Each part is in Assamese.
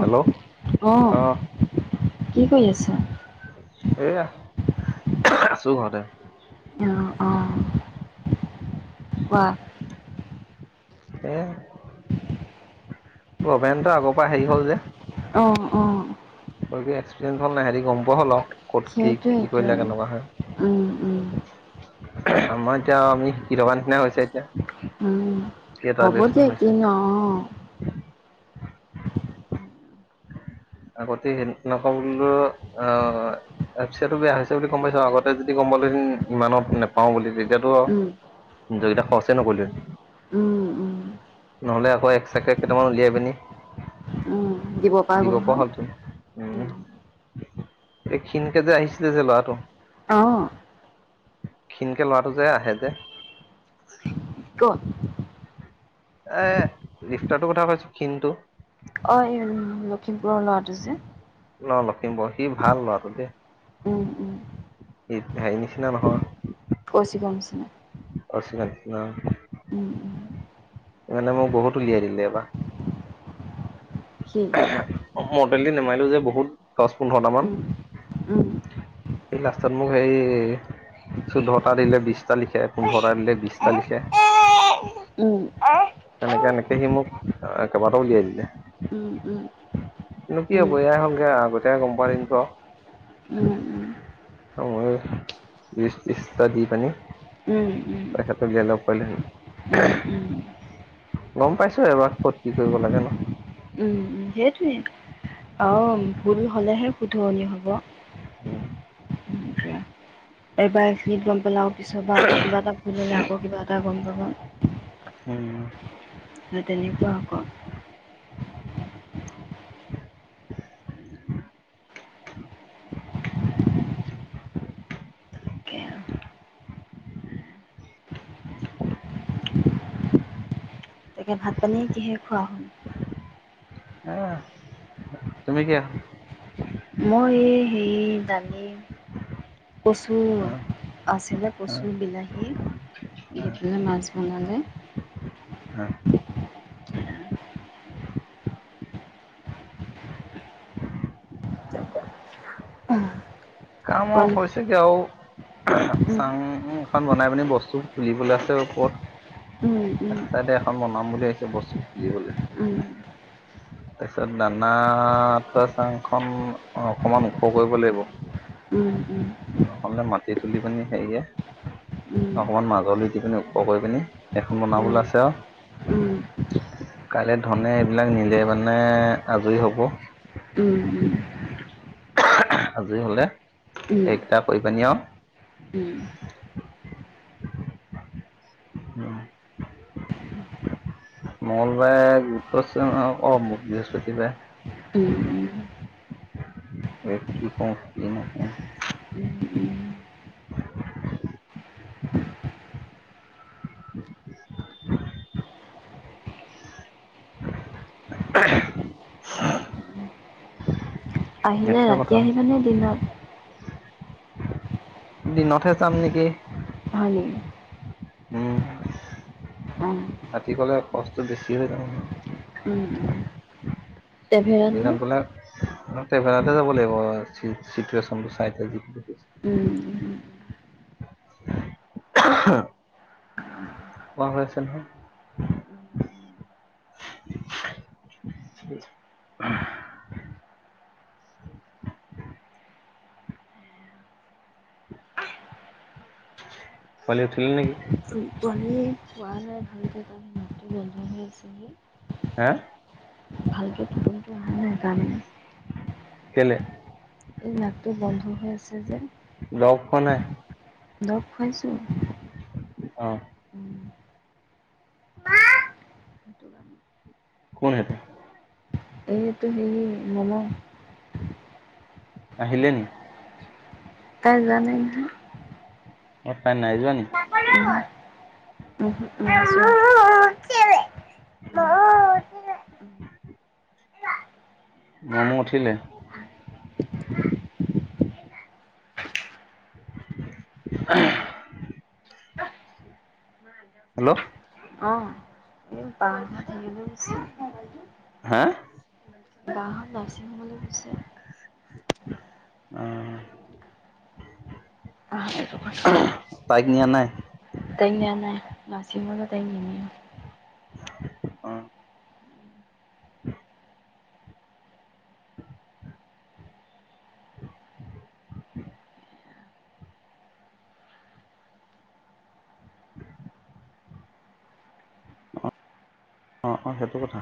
হেল্ল অঁ অহঃ, কি কৰি আছা? এয়া আছোঁ ঘৰতে। অ-অ, কোৱা। এয়া অভেনতা আগৰ পৰা হেৰি হল যে। অ-অ? গৈ-গৈ এক্সপিৰেন্স হল নাই, তেহেটি গম পোৱা হল আৰু ক'ত কি কি কৰিলে কেনেকুৱা সেইটোৱেইেতো হয় উম-উম এহ্, আমাৰ এতিয়াও আমি শিকি থকাৰ নিচিনা হৈছে এতিয়া। উম কেইটা হব লেচন দিয়া, কি হৈছে ন অ আগতেহে নকওঁ বুলিও অ এফ চি আইটো বেয়া হৈছে বুলি গম পাইছোঁ আগতে যদি গম পালহে ইমানত নেপাওঁ বুলি তে এতিটো আৰু উম দুয়োটা খৰচে নকৰিলোঁহেঁতেন, উম উম নহলে আকৌ এক্সট্ৰাকে কেইটামান উলিয়াই পেনি উম দিব পৰা গল হয়, উম্ এই ক্ষীণকে যে আহিছিলে যে লৰাটো অঁ ক্ষীণকে ল'ৰাটো যে, আহে যে। এক [inaudible] এ ৰিফ্তাৰৰ কথা কৈছো ক্ষিনটো অ লখিমপুৰ অ লৰাটো যে [unintelligible] সি ভাল ল'ৰাটো দেই। উম উম ই হেৰি নিচিনা নহয়। কচি গমছ ন আৰু চনা ন [unintelligible] উম উম মানে মোক বহুত উলিয়াই দিলে এইবাৰ। সি অ [unintelligible] ি নমাইিলো যে বহুত দহ পোন্ধৰটা মান উম উম সি লাষ্টত মোক সেই চৈধ্যটা দিলে বিটা লিখে পোন্ধৰটা দিলে বিশটা লিখে উম উম উম উম উম উম উম এনেকে এনেকে সি মোক কেইবাটাও উলিয়াই দিলে কিন্তু কি হব এয়াই হলগে আগতেয় গম প দিমত মই বি বিটা দি পানি উম পইচাটো বিয় লগ পলোহেন উম উম গম পাইছো এবাৰ ক'ত কি কৰিব লাগে ন উম, সেইটোৱে অ ভুল হলেহে শুধৰনি হব। এইবাৰ খি গম পেলাও। পিছত বা আকৌ কিবা এটা ভুল হলে আকৌ কিবা এটা গম পাবা উম ‌অ তেনেকুৱা আকৌ তাকে আৰু তাকে ভাত পানীয়ে কিহে খোৱা হল আহ তুমি কিয় মই সি দালি কচু, আছিলে অ কচু, বিলাহী। এপিনে মছ বনালে কাম কল হৈছেগে আৰু উম, অ উম এখন বনাই পিনি বস্তু বুলিবলৈ আছে আৰু ক'ত, উম, এক চাইডে এখন বনাম বুলি আহিছে বস্তু বুলিবলৈ। উম, উম। তাৰপিছত দানা থোৱা চাং খন অকমান ওখ কৰিব লাগিব। উম, উম, নহ'লে মাটি তুলি পিনি হেৰিয়ে, উম, উম, অকমান মাজলৈ দি পিনি ওপৰ কৰি পিনি এইখন উম, উম, বনাবলৈ আছে আৰু। কাইলে ধনে এইবিলাক নিদে মানে আজৰি হ'ব। উম, উম, আজি হলে এক কৰি পানি উম, আৰু মঙলবাৰে অ বৃহস্পতিবাৰে উম উম, উম। [unintelligible] [inaudible] [unintelligible] আহিলে সেইটোহে ৰাতি কথা আহিবানে দিনত? দিনতহে যাম নেকি। হয় নেকি? উম। অঁ। ৰাতি কলে কষ্ট বেছি হৈ যাব উম উম, ন? [unintelligible] ট্ৰেভেলাৰ নে? তেভেৰাতে যাব লাগিব চি চিটুৱেচন টু চাই যিটো দেখিছো উম, [unintelligible] অহ কোৱা হৈ আছে নহয়। পোৱালী উঠিল নেকি? মাতটো বন্ধ হৈ আছে যে হা ভালকে পটোমটো অহা নাই কাৰণে কেলে? এই নাকটো বন্ধ হৈ আছে যে। খোৱা নাই। দৰৱ খুৱাইছোঁ। অ উম, সেইটো কাৰণে। কোন সেইটো? এইটো হেৰি মম আহিলে নি? তাই জানে নহয়। অ তাই নাই যোৱা নি? [inaudible] [inaudible] মমো উঠিলে? আহ হেল্ল বাহঁত হেৰিলৈ গৈছে, হা বাহঁত নাৰ্ছিং হোমলৈ গৈছে। অ [unintelligible] তাইক নিয়া নাই। তাইক নিয়া নাই নাৰ্চিংহোমলৈ তাইক নিনিয়ে। অ [inaudible] [inaudible] [inaudible] অ অ-অ সেইটো কথা।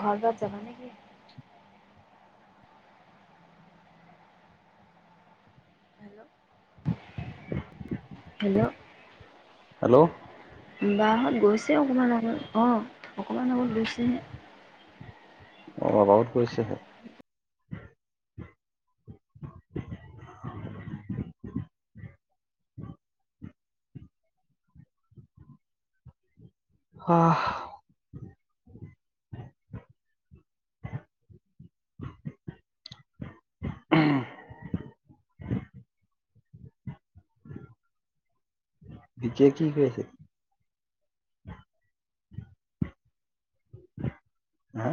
ঘৰত যাবা নেকি? হেল্ল' [inaudible] হেল্ল হেল্ল বাহ গোস ছে অকণমান আগত অ অকণমান আগত গৈছেহে। অ অবাবত কৰিছেহে আহ বিজয় কি ক আছে? হা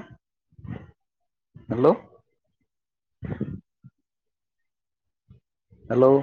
হেল্ল হেল্ল